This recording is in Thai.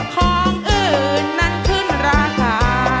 ของอื่นนั้นขึ้นราคา